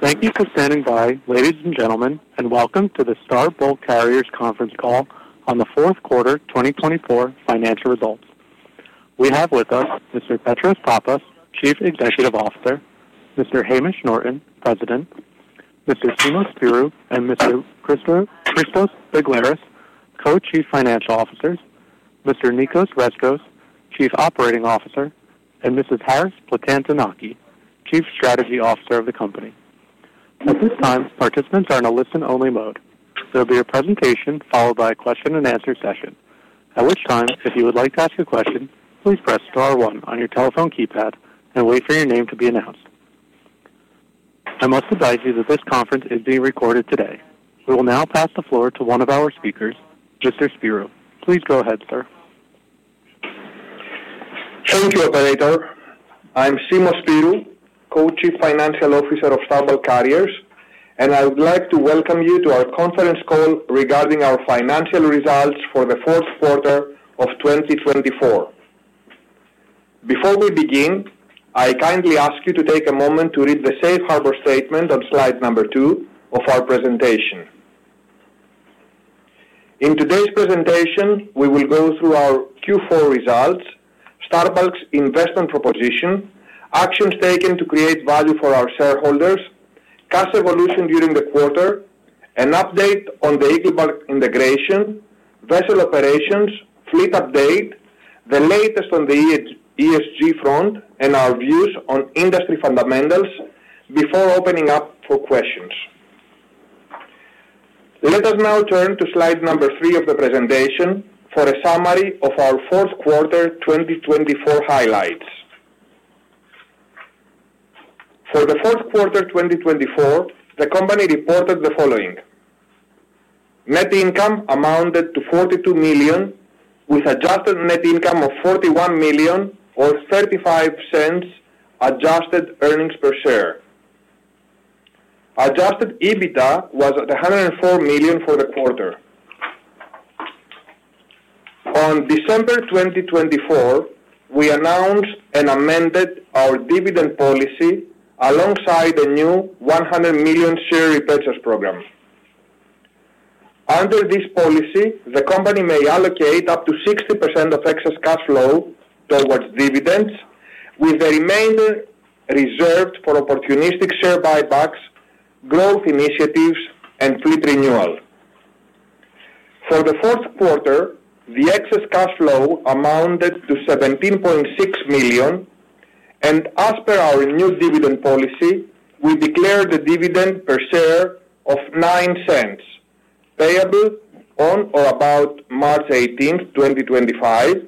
Thank you for standing by, ladies and gentlemen, and welcome to the Star Bulk Carriers conference call on the fourth quarter 2024 financial results. We have with us Mr. Petros Pappas, Chief Executive Officer, Mr. Hamish Norton, President, Mr. Simos Spyrou and Mr. Christos Begleris, Co-Chief Financial Officer, Mr. Nicos Rescos, Chief Operating Officer and Mrs. Charis Plakantonaki, Chief Strategy Officer of the company. At this time, participants are in a listen only mode. There will be a presentation followed by a question and answer session, at which time, if you would like to ask a question, please press star one on your telephone keypad and wait for your name to be announced. I must advise you that this conference is being recorded today. We will now pass the floor to one of our speakers, Mr. Spyrou. Please go ahead, sir. Thank you. Operator. I'm Simos Spyrou, Co-Chief Financial Officer of Star Bulk Carriers and I would like to welcome you to our conference call regarding our financial results for the fourth quarter of 2024. Before we begin, I kindly ask you to take a moment to read the Safe Harbor statement on slide number two of our presentation. In today's presentation, we will go through our Q4 results, Star Bulk's investment proposition, actions taken to create value for our shareholders, cash evolution during the quarter, an update on the Eagle Bulk integration, vessel operations, fleet update, the latest on the ESG front, and our views on industry fundamentals before opening up for questions. Let us now turn to slide number three of the presentation for a summary of our fourth quarter 2024 highlights. For the fourth quarter 2024, the company reported the following. Net income amounted to $42 million with adjusted net income of $41 million or $0.35 adjusted earnings per share. Adjusted EBITDA was at $104 million for the quarter. On December 2024, we announced and amended our dividend policy alongside a new $100 million share repurchase program. Under this policy, the company may allocate up to 60% of excess cash flow towards dividends, with the remainder reserved for opportunistic share buybacks, growth initiatives and fleet renewal. For the fourth quarter, the excess cash flow amounted to $17.6 million. As per our new dividend policy, we declared a dividend per share of $0.09 payable on or about March 18th, 2025.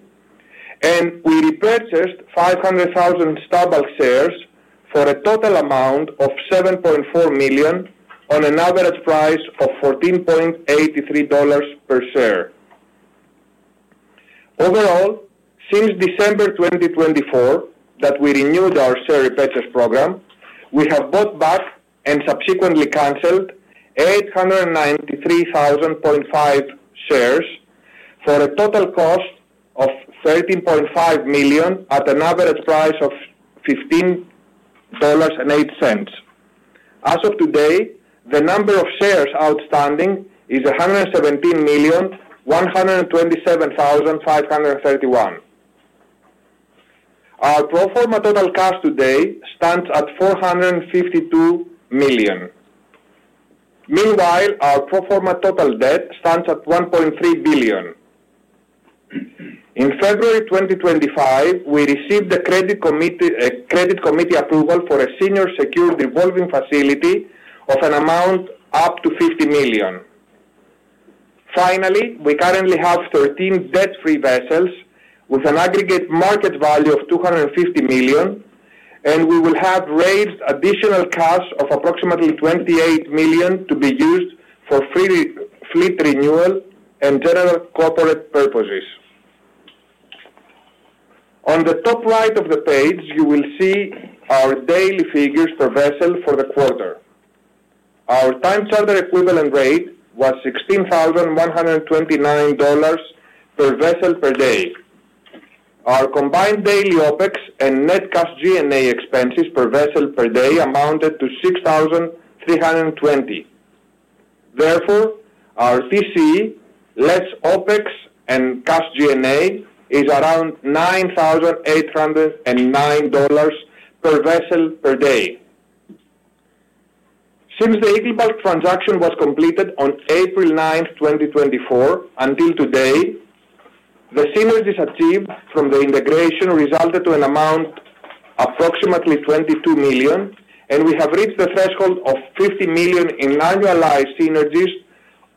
We repurchased 500,000 Star Bulk shares for a total amount of $7.4 million at an average price of $14.83 per share. Overall. Since December 2024 that we renewed our share repurchase program, we have bought back and subsequently cancelled 893,000.5 shares for a total cost of $13.5 million at an average price of $15.08. As of today, the number of shares outstanding is 117,127,531. Our pro forma total cash today stands at $452. Meanwhile our pro forma total debt stands at $1.3 billion. In February 2025 we received the credit committee approval for a senior secured revolving facility of an amount up to $50 million. Finally, we currently have 13 debt free vessels with an aggregate market value of $250 million and we will have raised additional cash of approximately $28 million to be used for fleet renewal and general corporate purposes. On the top right of the page you will see our daily figures per vessel for the quarter. Our time charter equivalent rate was $16,129 per vessel per day. Our combined daily OpEx and net cash G&A expenses per vessel per day amounted to $6,320. Therefore our TCE less OpEx and cash G&A is around $9,809 per vessel per day. Since the Eagle Bulk transaction was completed on April 9, 2024 until today, the synergies achieved from the integration resulted to an amount approximately $22 million and we have reached the threshold of $50 million in annualized synergies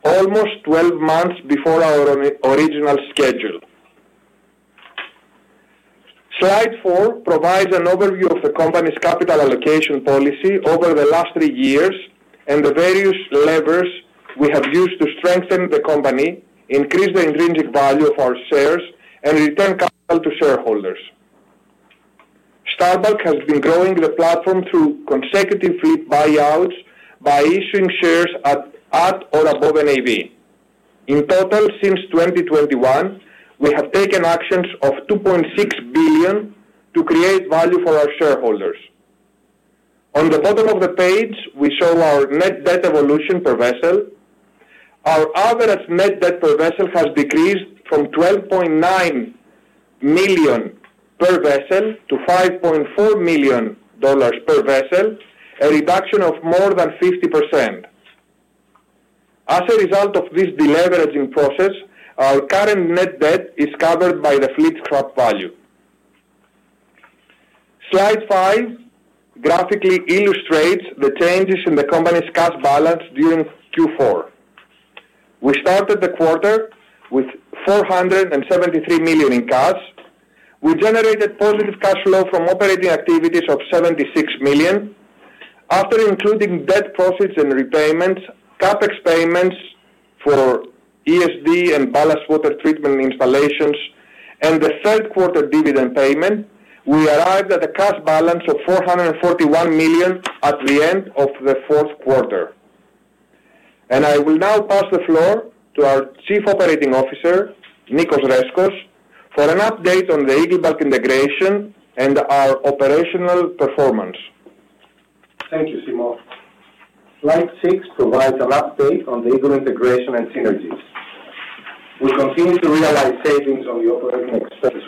almost 12 months before our original schedule. Slide 4 provides an overview of the company's capital allocation policy over the last three years and the various levers we have used to strengthen the company, increase the intrinsic value of our shares and return capital to shareholders. Star Bulk has been growing the platform through consecutive fleet buyouts by issuing shares at or above NAV. In total since 2021 we have taken actions of $2.6 billion to create value for our shareholders. On the bottom of the page we show our net debt evolution per vessel. Our average net debt per vessel has decreased from $12.9 million per vessel to $5.4 million per vessel, a reduction of more than 50%. As a result of this deleveraging process, our current net debt is covered by the fleet book value. Slide 5 graphically illustrates the changes in the company's cash balance during Q4. We started the quarter with $473 million in cash. We generated positive cash flow from operating activities of $76 million after including debt profits and repayments, CapEx payments for ESD and ballast water treatment installations and the third quarter dividend payment. We arrived at a cash balance of $441 million at the end of the fourth quarter and I will now pass the floor to our Chief Operating Officer Nicos Rescos for an update on the Eagle Bulk integration and our operational performance. Thank you, Simos. Slide 6 provides an update on the Eagle integration and synergies. We continue to realize savings on the operating expense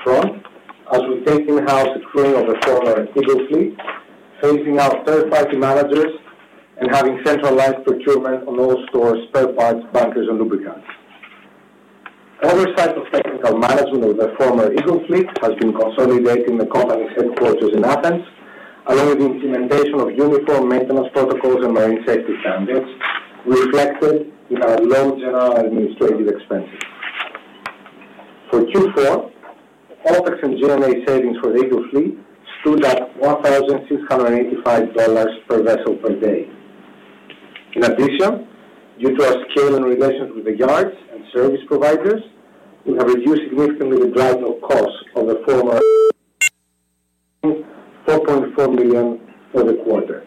as we take in-house securing of the former Eagle Fleet, phasing out third-party managers and having centralized procurement on all stores, spare parts, bunkers and lubricants. Oversight of technical management of the former Eagle Fleet has been consolidated at the company's headquarters in Athens along with the implementation of uniform maintenance protocols and marine safety standards reflected in our low general administrative expenses. For Q4, OpEx and G&A savings for the Eagle fleet stood at $1,685 per vessel per day. In addition, due to our scale and relations with the yards and service providers, we have reduced significantly the drydocking costs of the former $4.4 million for the quarter.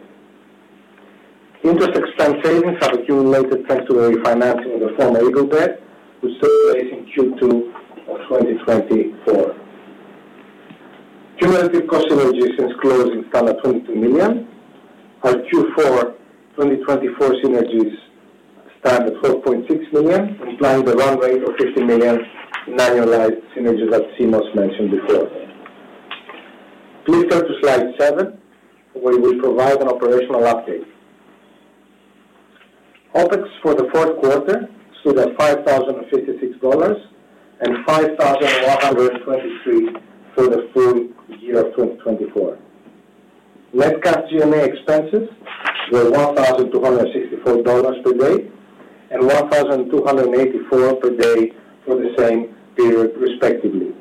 Interest expense savings have accumulated thanks to the refinancing of the former Eagle debt which took place in Q2 of 2024. Cumulative cost synergies is close to $22 million. Our Q4 2024 synergies stand at $4.6 million, implying the run rate of $50 million in annualized synergies that Simos mentioned before. Please turn to slide 7 where we provide an operational update. OpEx for the fourth quarter stood at $5,056 and $5,123 for the full year of 2024. Net cash G&A expenses were $1,264 per day and $1,284 per day for the same period respectively.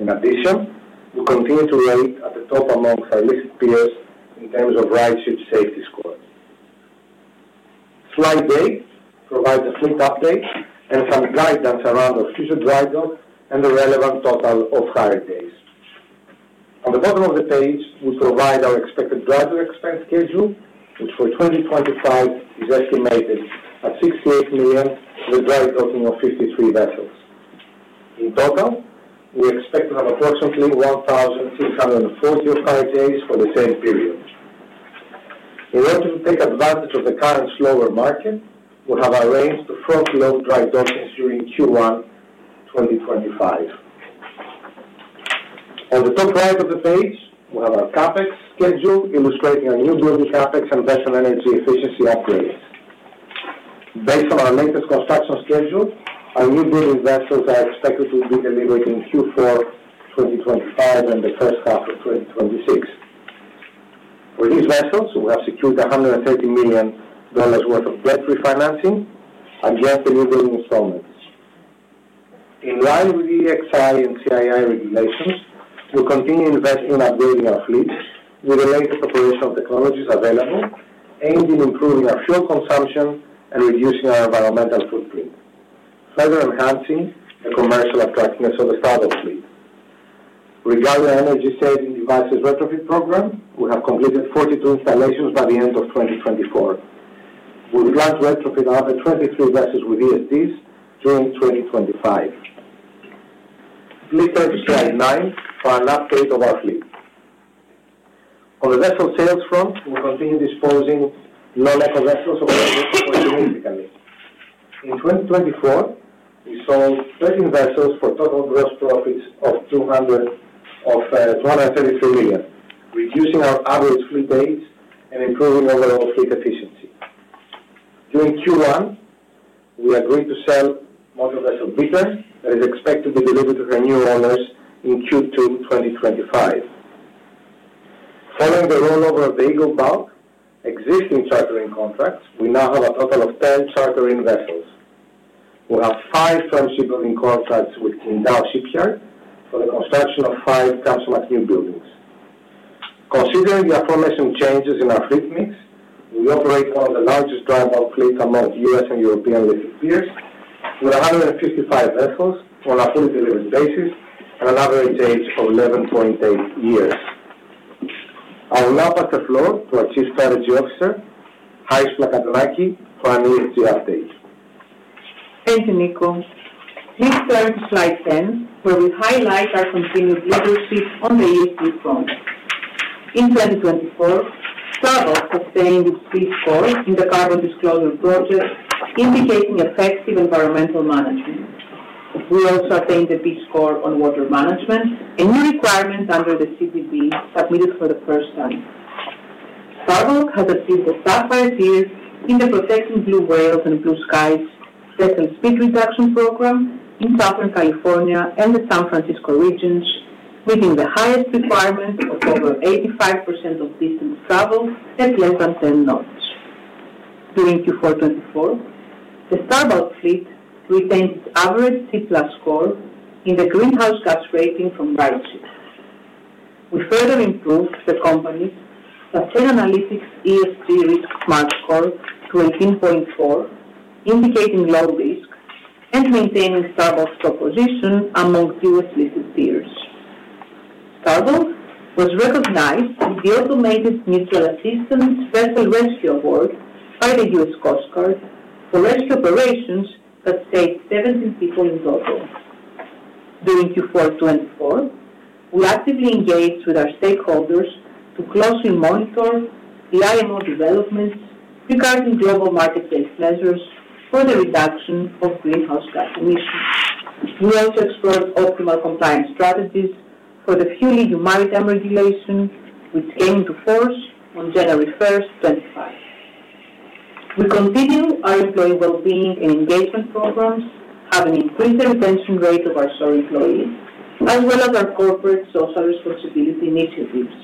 In addition, we continue to rate at the top among our listed peers in terms of RightShip safety scores. Slide 8 provides a fleet update and some guidance around our future dry docking and the relevant total of off-hire days. On the bottom of the page we provide our expected drydock expense schedule which for 2025 is estimated at $68 million for a dry docking of 53 vessels. In total, we expect to have approximately 1,640 off-hire days for the same period. In order to take advantage of the current slower market, we have arranged the front-loaded dry dockings during Q1 2025. On the top right of the page, we have our CapEx schedule illustrating our newbuilding CapEx and vessel energy efficiency upgrades. Based on our latest construction schedule, our newbuilding vessels are expected to be delivered in Q4 2025 and the first half of 2026. For these vessels, we have secured $130 million worth of debt refinancing and yet-to-deliver installments in line with the EEXI and CII regulations. We'll continue investing in upgrading our fleet with the latest operational technologies available aimed at improving our fuel consumption and reducing our environmental footprint, further enhancing the commercial attractiveness of the Supramax fleet. Regarding energy-saving devices retrofit program, we have completed 42 installations by the end of 2024. We plan to retrofit another 23 vessels with ESDs during 2025. Please turn to slide 9 for an update of our fleet. On the vessel sales front. We continue disposing non-eco vessels quite significantly. In 2024 we sold 13 vessels for total gross profits of $233 million, reducing our average fleet age and improving overall fleet efficiency. During Q1 we agreed to sell M/V Star Beta that is expected to be delivered to new owners and in Q2 2025. Following the rollover of the Eagle Bulk existing chartering contracts, we now have a total of 10 chartering vessels. We have five term shipbuilding contracts with Qingdao Shipyard for the construction of five Kamsarmax newbuildings. Considering the composition changes in our fleet mix, we operate one of the largest dry bulk fleets among U.S. and European listed peers with 155 vessels on a fully delivered basis and an average age of 11.8 years. I will now pass the floor to our Chief Strategy Officer Charis Plakantonaki for an ESG update. Thank you, Nicos. Please turn to slide 10 where we highlight our continued leadership on the ESG front in 2024. Star Bulk sustained B score in the Carbon Disclosure Project indicating effective environmental management. We also attained the A score on water management and new requirements under the CII. Submitted for the first time, Star Bulk has achieved the top five years in the Protecting Blue Whales and Blue Skies Vessel Speed Reduction program in Southern California and the San Francisco regions, meeting the highest requirements of over 85% of the distance traveled at less than 10 knots. During Q4 2024, the Star Bulk fleet retained its average C+ score in the greenhouse gas rating from RightShip. We further improved the company's analysis ESG risk score to 18.4 indicating low risk and maintaining Star Bulk's position among U.S. listed peers. Bulk was recognized with the Automated Mutual-Assistance Vessel Rescue award by the U.S. Coast Guard for rescue operations that saved 17 people in total. During Q4 2024, we actively engaged with our stakeholders to closely monitor the IMO developments regarding global marketplace measures for the reduction of greenhouse gas emissions. We also explored optimal compliance strategies for the FuelEU Maritime regulation which came into force on January 1st, 2025. We continue our employee well-being and engagement programs which have an increased retention rate of our shore employees as well as our corporate social responsibility initiatives.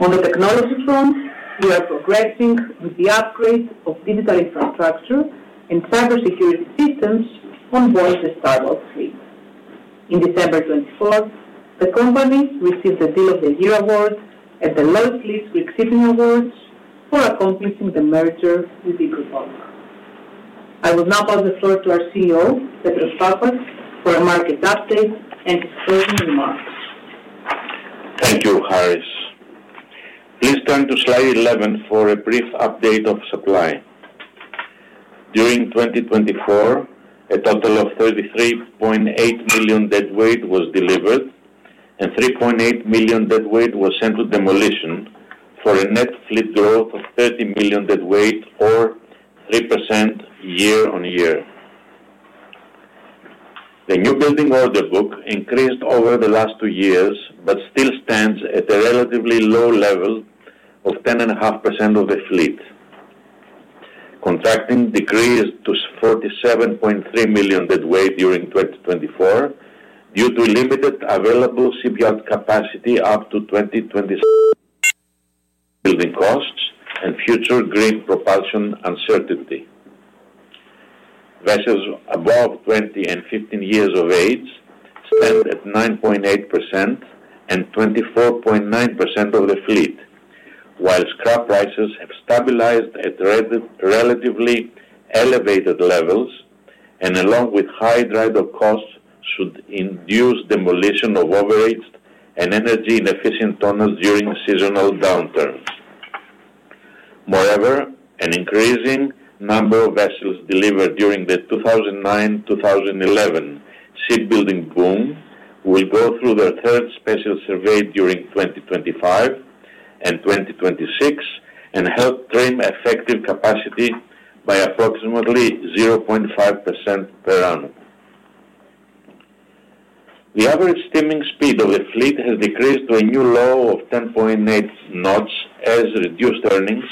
On the technology front, we are progressing with the upgrade of this infrastructure and cybersecurity systems on board the Star Bulk's fleet. In December 2024, the company received the Deal of the Year award from Lloyd's List for accomplishing the merger with Eagle Bulk. I will now pass the floor to our CEO Petros Pappas for a market update and his closing remarks. Thank you, Charis. Please turn to slide 11 for a brief update of supply during 2024. A total of 33.8 million deadweight was delivered and 3.8 million deadweight was sent to demolition for a net fleet growth of 30 million deadweight or 3% year-on-year. The newbuilding order book increased over the last two years, but still stands at a relatively low level of 10.5% of the fleet. Contracting decreased to 47.3 million deadweight during 2024 due to limited available slot capacity up to 2020. Building costs and future grid propulsion uncertainty. Vessels above 20 and 15 years of age stand at 9.8% and 24.9% of the fleet while scrap prices have stabilized at relatively elevated levels and along with high drydock costs, should induce demolition of overage and energy inefficient vessels during seasonal downturns. Moreover, an increasing number of vessels delivered during the 2009-2011 shipbuilding boom will go through their third special survey during 2025 and 2026 and help trim effective capacity by approximately 0.5% per annum. The average steaming speed of the fleet has decreased to a new low of 10.8 knots as reduced earnings,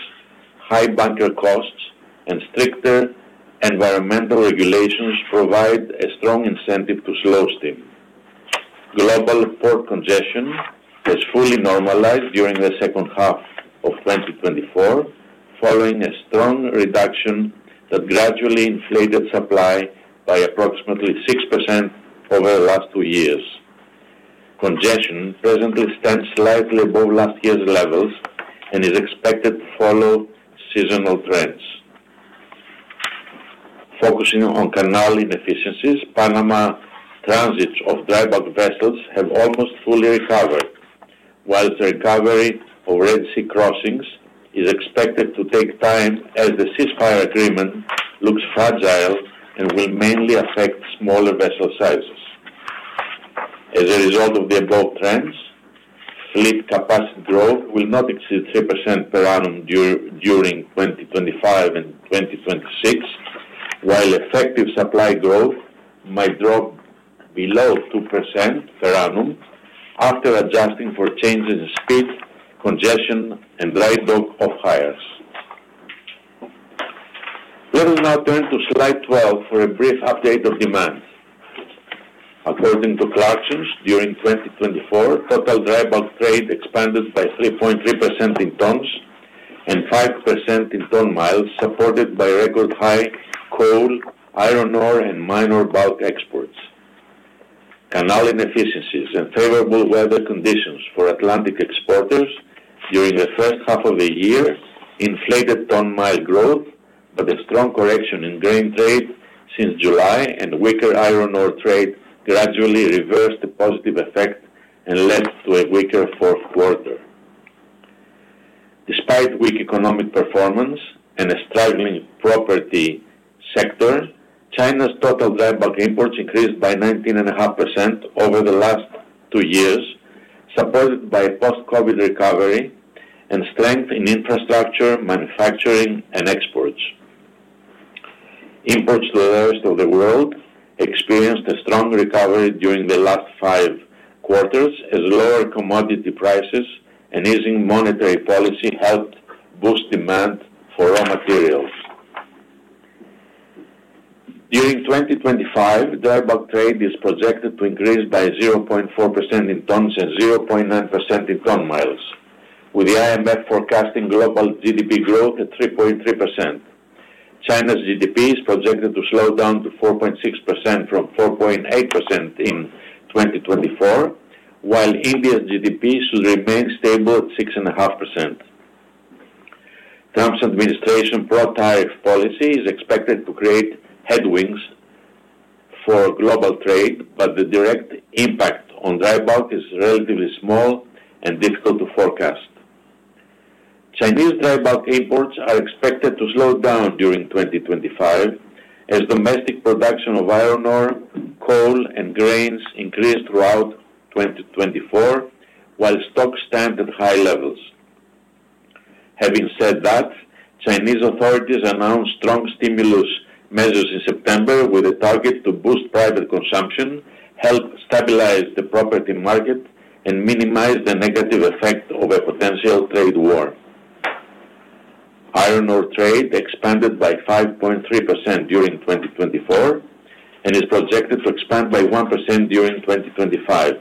high bunker costs and stricter environmental regulations provide a strong incentive to slow steam. Global port congestion was fully normalized during the second half of 2024 following a strong reduction that gradually inflated supply by approximately 6% over the last two years. Congestion presently stands slightly above last year's levels and is expected to follow seasonal trends. Focusing on canal inefficiencies. Panama transit of dry bulk vessels have almost fully recovered while the recovery of Red Sea crossings is expected to take time as the ceasefire agreement looks fragile and will mainly affect smaller vessel sizes. As a result of the above trends, fleet capacity growth will not exceed 3% per annum during 2025 and 2026 while effective supply growth might drop below 2% per annum after adjusting for changes in speed congestion and laid off hires. Let us now turn to slide 12 for a brief update of demands. According to Clarksons during 2024 total dry bulk trade expanded by 3.3% in tonnes and 5% in ton-miles, supported by record high coal, iron ore and minor bulk exports. Canal inefficiencies and favorable weather conditions for Atlantic exporters during the first half of the year inflated ton-mile growth, but the strong correction in grain trade since July and weaker iron ore trade gradually reversed the positive effect and led to a weaker fourth quarter. Despite weak economic performance and a struggling property sector, China's total dry bulk imports increased by 19.5% over the last two years, supported by a post-COVID recovery and strength in infrastructure, manufacturing and exports. Imports to the rest of the world experienced a strong recovery during the last five quarters as lower commodity prices and easing monetary policy helped boost demand for raw materials. During 2025, dry bulk trade is projected to increase by 0.4% in tonnes and 0.9% in ton-miles, with the IMF forecasting global GDP growth at 3.3%. China's GDP is projected to slow down to 4.6% from 4.8% in 2024 while India's GDP should remain stable at 6.5%. Trump's administration pro-tariff policy is expected to create headwinds for global trade, but the direct impact on dry bulk is relatively small and difficult to forecast. Chinese dry bulk imports are expected to slow down during 2025 as domestic production of iron ore, coal and grains increased throughout 2024 while stocks stand at high levels. Having said that, Chinese authorities announced strong stimulus measures in September with a target to boost private consumption, help stabilize the property market and minimize the negative effect of a potential trade war. Iron ore trade expanded by 5.3% during 2024 and is projected to expand by 1% during 2025.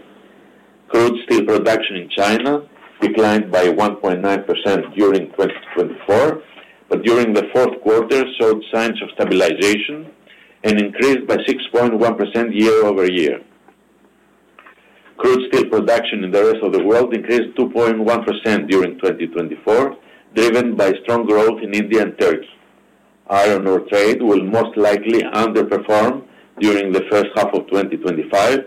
Crude steel production in China declined by 1.9% during 2024, but during the fourth quarter showed signs of stabilization and increased by 6.1% year-over-year. Crude steel production in the rest of the world increased 2.1% during 2024, driven by strong growth in India and Turkey. Iron ore trade will most likely underperform during the first half of 2025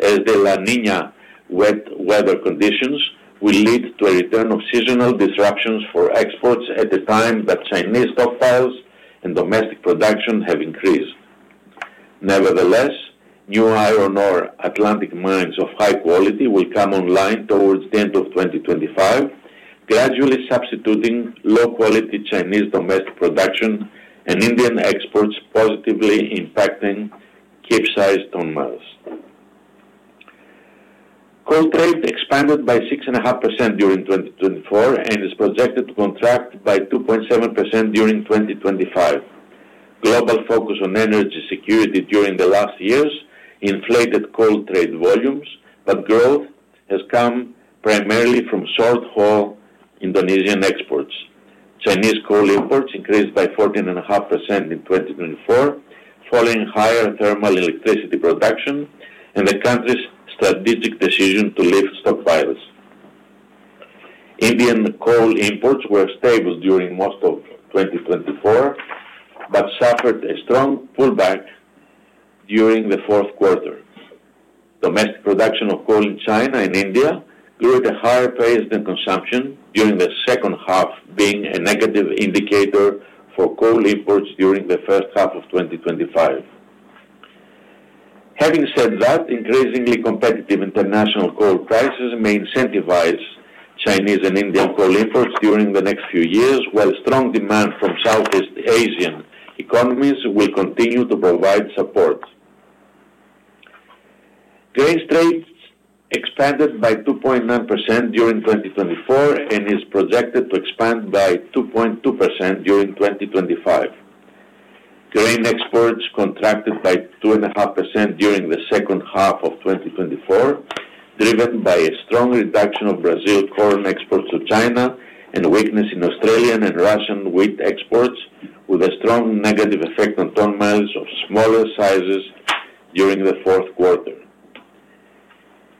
as the La Niña wet weather conditions will lead to a return of seasonal disruptions for exports at the time that Chinese stockpiles and domestic production have increased. Nevertheless, new iron ore Atlantic mines of high quality will come online towards the end of 2025 gradually substituting low quality Chinese domestic production and Indian exports positively impacting Capesize ton-miles. Coal trade expanded by 6.5% during 2024 and is projected to contract by 2.7% during 2025. Global focus on energy security during the last years inflated coal trade volumes, but growth has come primarily from short-haul Indonesian exports. Chinese coal imports increased by 14.5% in 2024 following higher thermal electricity production and the country's strategic decision to live with the virus. Indian coal imports were stable during most of 2024 but suffered a strong pullback during the fourth quarter. Domestic production of coal in China and India grew at a higher pace than consumption during the second half, being a negative indicator for coal imports during the first half of 2025. Having said that, increasingly competitive international coal prices may incentivize Chinese and Indian coal imports during the next few years while strong demand from Southeast Asian economies will continue to provide support. Grain trade expanded by 2.9% during 2024 and is projected to expand by 2.2% during 2025. Grain exports contracted by 2.5% during the second half of 2024, driven by a strong reduction of Brazil corn exports to China and weakness in Australian and Russian wheat exports with a strong negative effect on ton-miles of smaller sizes during the fourth quarter.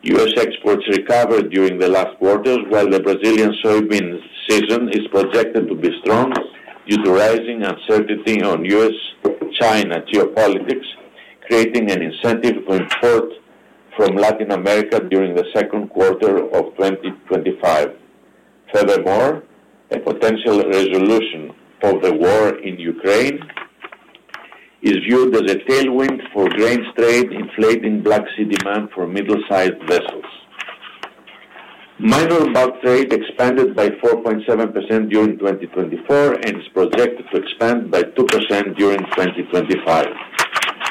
U.S. exports recovered during the last quarters while the Brazilian soybean season is projected to be strong due to rising uncertainty on U.S.-China geopolitics, creating an incentive for import from Latin America during the second quarter of 2025. Furthermore, a potential resolution of the war in Ukraine is viewed as a tailwind for grains trade, inflating Black Sea demand for middle sized vessels. Minor bulk trade expanded by 4.7% during 2020-2024 and is projected to expand by 2% during 2025.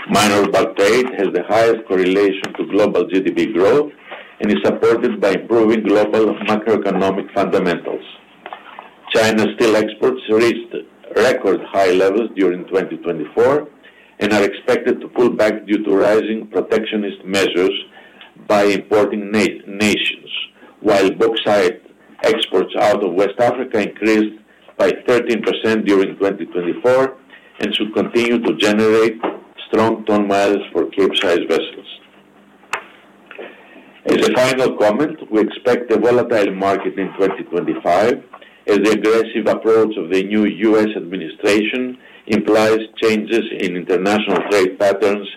Minor bulks has the highest correlation to global GDP growth and is supported by improving global macroeconomic fundamentals. China's steel exports reached record high levels during 2024 and are expected to pull back due to rising protectionist measures by importing nations, while bauxite exports out of West Africa increased by 13% during 2024 and should continue to generate strong ton-miles for Capesize vessels. As a final comment, we expect a volatile market in 2025 as the aggressive approach of the new U.S. administration implies changes in international trade patterns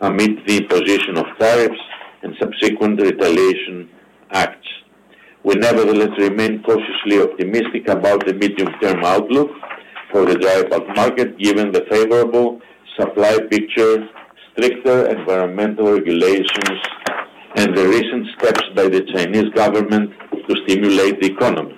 amid the imposition of tariffs and subsequent retaliation acts. We nevertheless remain cautiously optimistic about the medium term outlook for the dry bulk market given the favorable supply picture, stricter environmental regulations and the recent steps by the Chinese government to stimulate the economy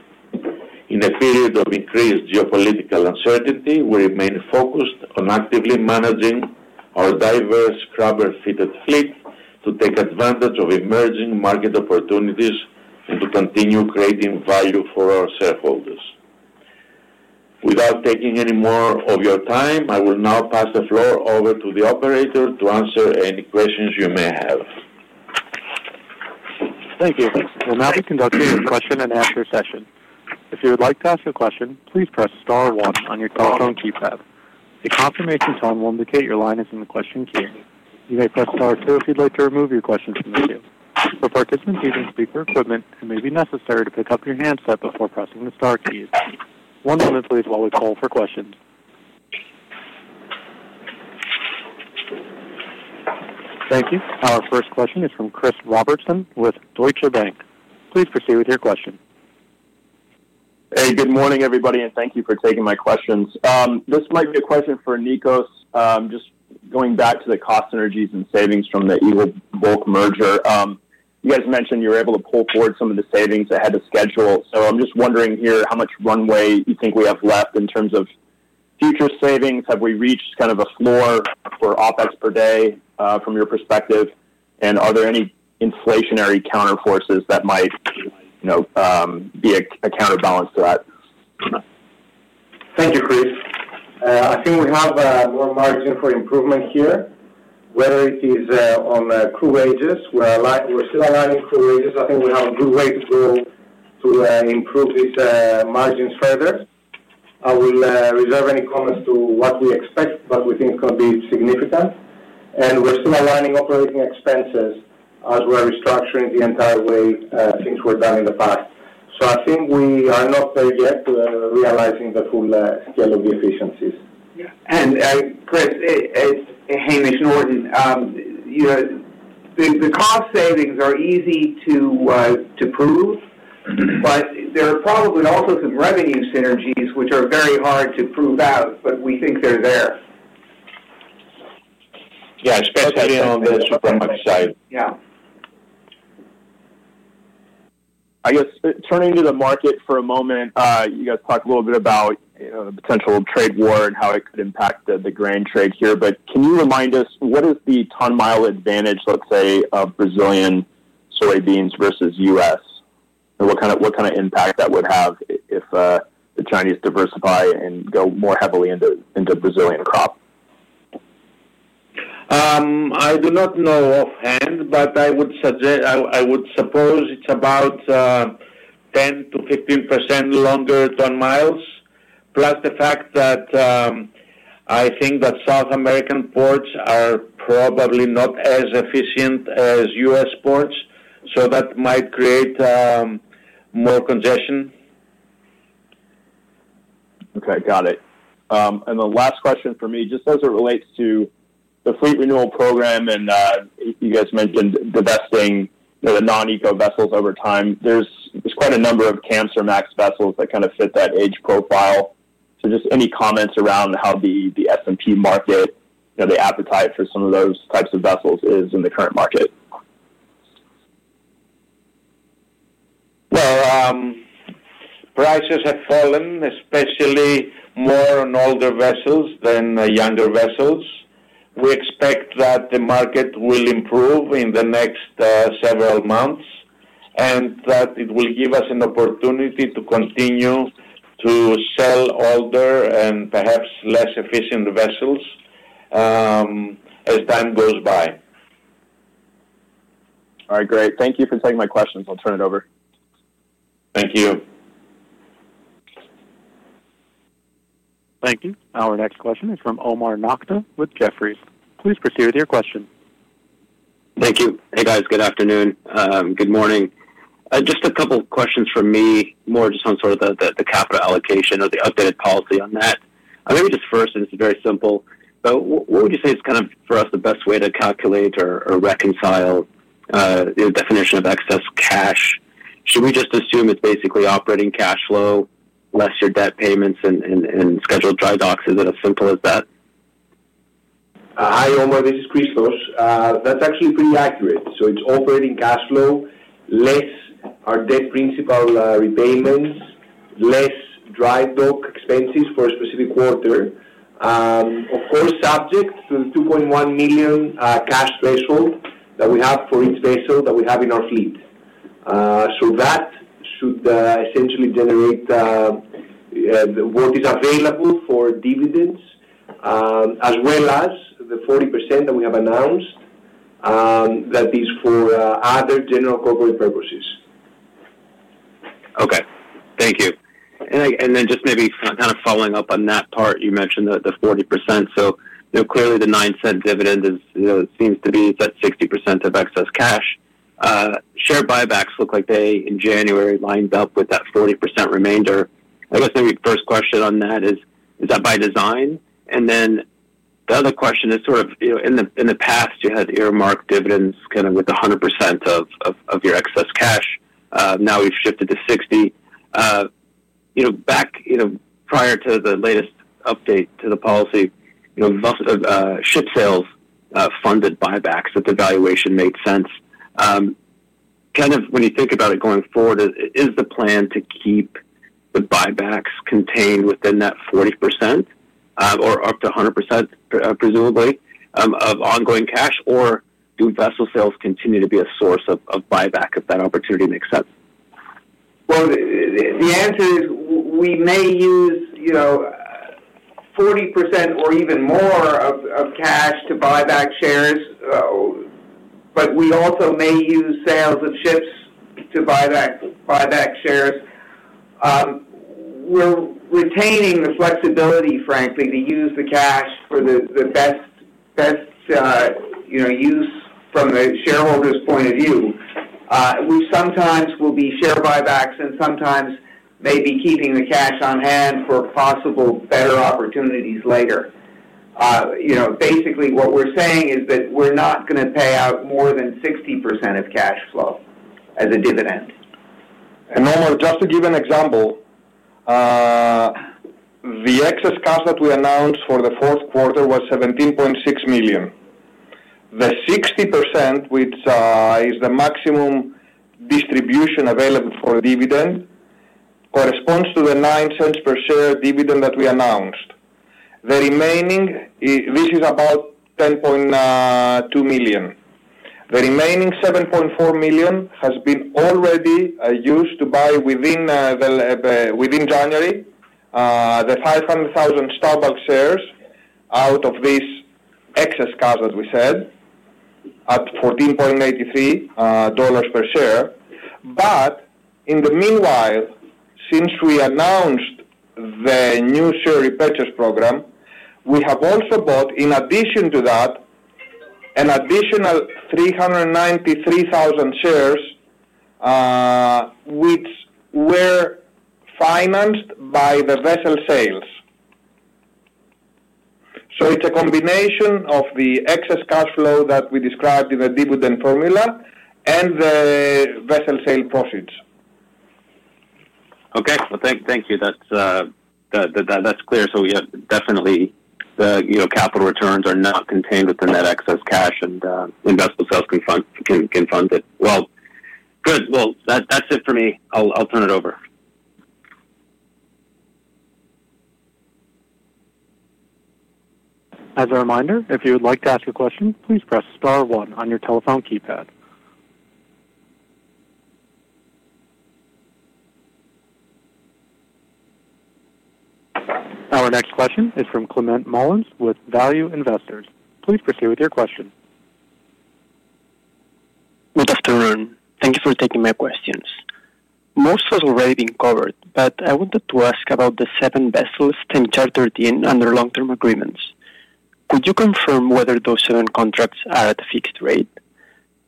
in a period of increased geopolitical uncertainty. We remain focused on actively managing our diverse scrubber fitted fleet to take advantage of emerging market opportunities and to continue creating value for our shareholders. Without taking any more of your time, I will now pass the floor over to the operator to answer any questions you may have. Thank you. We'll now be conducting a question and answer session. If you would like to ask a question, please press star one on your telephone keypad. A confirmation tone will indicate your line is in the question queue. You may press star two if you'd like to remove your questions from the queue. For participants using speaker equipment, it may be necessary to pick up your handset before pressing the star keys. One moment, please, while we poll for questions. Thank you. Our first question is from Chris Robertson with Deutsche Bank. Please proceed with your question. Hey, good morning, everybody, and thank you for taking my questions. This might be a question for Nicos. Just going back to the cost synergies and savings from the Eagle Bulk merger. You guys mentioned you were able to pull forward some of the savings ahead of schedule. So I'm just wondering here how much runway you think we have left in terms of future savings? Have we reached kind of a floor for OpEx per day from your perspective, and are there any inflationary counter forces that might. Be a counterbalance to that? Thank you, Chris. I think we have more margin for improvement here, whether it is on crew wages. We're still aligning. I think we have a good way to go to improve these margins further. I will reserve any comments to what we expect, what we think could be significant, and we're still aligning operating expenses as we're restructuring the entire way things were done in the past, so I think we are not there yet, realizing the full scale of the efficiencies. And now, it's Hamish Norton. The cost savings are easy to prove, but there are probably also some revenue synergies which are very hard to prove out, but we think they're there. Yeah, especially on the Capesize side. Yeah. I guess turning to the market for a moment, you guys talked a little bit about the potential trade war and how it could impact the grain trade here. But can you remind us what is? The ton-mile advantage, let's say, of Brazilian soybeans versus U.S.? What kind of impact that would have if the Chinese diversify and go more heavily into Brazilian crop? I do not know offhand, but I would suppose it's about 10%-15% longer ton-miles. Plus the fact that I think that South American ports are probably not as efficient as U.S. ports, so that might create more congestion. Okay, got it. And the last question for me, just as it relates to the fleet renewal program. And you guys mentioned divesting the non-eco vessels over time. There's quite a number of Capesize or Kamsarmax vessels that kind of fit that age profile. So just any comments around how the S&P market, the appetite for some of those types of vessels is in the current market. Prices have fallen, especially more on. Older vessels than younger vessels. We expect that the market will improve in the next several months and that it will give us an opportunity to continue to sell older and perhaps less efficient vessels. As time goes by. All right, great. Thank you for taking my questions. I'll turn it over. Thank you. Thank you. Our next question is from Omar Nokta with Jefferies. Please proceed with your question. Thank you. Hey guys, good afternoon. Good morning. Just a couple questions from me, more just on sort of the capital allocation or the updated policy on that. Maybe just first. And it's very simple. But what would you say is kind of for us the best way to calculate or reconcile the definition of excess cash? Should we just assume it's basically operating? Cash flow, less your debt payments and scheduled dry docks? Is it as simple as that? Hi, Omar, this is Nicos. That's actually pretty accurate. So it's operating cash flow, less our debt, principal repayments, less drydock expenses for a specific quarter, of course, subject. To the $2.1 million cash threshold that. We have for each vessel that we have in our fleet. So that should essentially generate what is available for dividends as well as the 40% that we have announced, that is. For other general corporate purposes. Okay, thank you. And then just maybe kind of following up on that part. You mentioned the 40%. So clearly the $0.09 dividend seems to be that 60% of excess cash. Share buybacks look like they in January lined up with that 40% remainder. I guess the first question on that is, is that by design? And then the other question is sort of in the past you had earmarked dividends kind of with 100% of your excess cash. Now we've shifted to 60%, you know, back, you know, prior to the latest update to the policy, you know, ship sales, funded buybacks, that the valuation made sense, kind of when you think about it going forward, is the plan to keep the buybacks contained within that 40% or up to 100%, presumably of ongoing cash, or do vessel sales continue to be a source of buyback if that opportunity makes sense? The answer is we may use 40% or even more of cash to buy back shares, but we also may use sales of ships to buy back shares. We're retaining the flexibility, frankly, to use the cash for the best. Use from the shareholder's point of view. We sometimes will be share buybacks and sometimes maybe keeping the cash on hand for possible better opportunities later. Basically what we're saying is that we're not going to pay out more than 60% of cash flow as a dividend. Omar, just to give an example. The excess cash that we announced for the fourth quarter was $17.6 million. The 60%, which is the maximum distribution available for dividend, corresponds to the $0.09 per share dividend that we announced. The remaining, this is about $10.2 million. The remaining $7.4 million has been already used to buy within January the 500,000 Star Bulk shares out of this excess cash, as we said, at $14.83 per share. But in the meanwhile, since we announced the new share repurchase program, we have also bought in addition to that an additional 393,000 shares. Which were financed by the vessel sales. So it's a combination of the excess cash flow that we described in the dividend formula and the vessel sale proceeds. Okay, well, thank you. That's clear. Yeah, definitely the capital returns are not contained within that excess cash and investment sales can fund it. Well, good. That's it for me. I'll turn it over. As a reminder, if you would like to ask a question, please press star one on your telephone keypad. Our next question is from Climent Molins with Value Investor's Edge. Please proceed with your question. Good afternoon. Thank you for taking my questions. Most has already been covered. But I wanted to ask about the seven vessels, 10 chartered in under long term agreements. Could you confirm whether those seven contracts are at a fixed rate?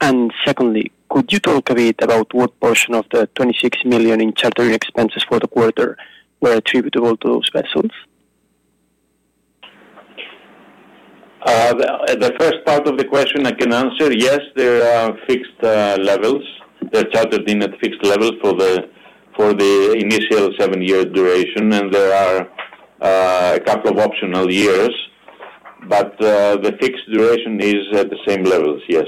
And secondly, could you talk a bit about what portion of the $26 million in chartering expenses for the quarter were attributable to those vessels? The first part of the question I can answer. Yes, there are fixed levels. They're chartered in at fixed levels for the initial seven-year duration and there are a couple of optional years. But the fixed duration is at the same levels. Yes.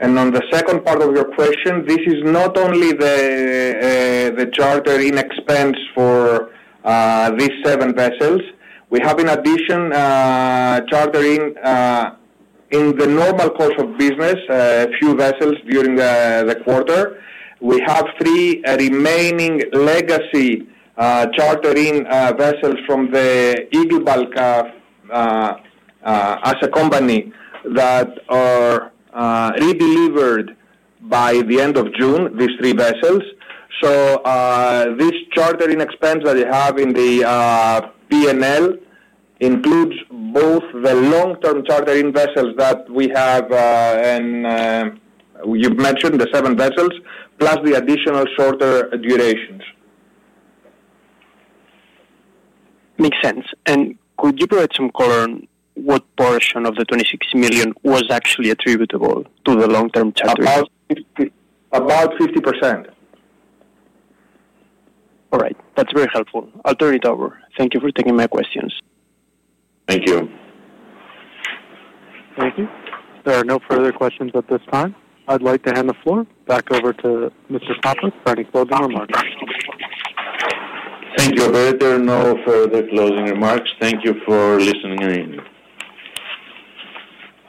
On the second part of your question, this is not only the charter-in expense for these seven vessels. We have in addition charter-ins in the normal course of business, a few vessels during the quarter. We have three remaining legacy charter-in vessels from the Eagle Bulk. As a company that are redelivered by the end of June. These three vessels. So this chartering expense that they have in the P&L includes both the long-term chartering vessels that we have and you've mentioned the seven vessels plus the additional shorter durations. Makes sense. And could you provide some color on what portion of the $26 million was actually attributable to the long term charter? About 50%. All right, that's very helpful. I'll turn it over. Thank you for taking my questions. Thank you. Thank you. There are no further questions at this time. I'd like to hand the floor back over to Mr. Pappas for any closing remarks. Thank you. There are no further closing remarks. Thank you for listening.